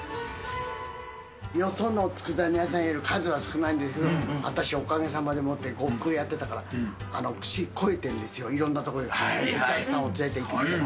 よそのつくだ煮屋さんより数は少ないんですけど、私、おかげさまでもって呉服やってたから、舌が肥えてるんですよ、いろんなところにお客さんを連れていったから。